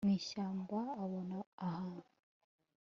mwishyamba abona ahantu